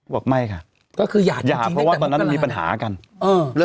บอกไม่ค่ะก็คือหย่าจริงจริงหย่าเพราะว่าตอนนั้นมีปัญหากันเออเรื่องนี้